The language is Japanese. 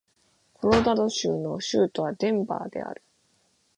コロラド州の州都はデンバーである